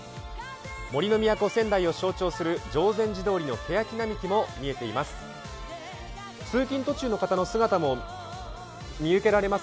杜の都・仙台を象徴する定禅寺通りのけやきも見えてきます。